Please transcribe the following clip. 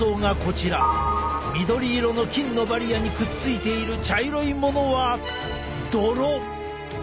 緑色の菌のバリアにくっついている茶色いものはどろ！